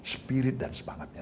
spirit dan semangatnya